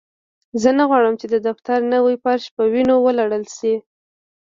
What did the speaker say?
زه نه غواړم چې د دفتر نوی فرش په وینو ولړل شي